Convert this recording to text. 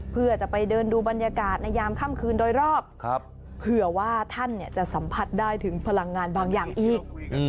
เพื่อจะไปเดินดูบรรยากาศในยามค่ำคืนโดยรอบเผื่อว่าท่านจะสัมผัสได้ถึงพลังงานบางอย่างอีก